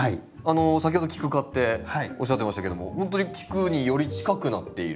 先ほどキク科っておっしゃってましたけどもほんとに菊により近くなっている。